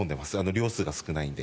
両数が少ないので。